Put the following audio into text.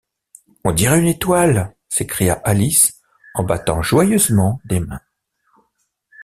On dirait une étoile! s’écria Alice en battant joyeusement des mains.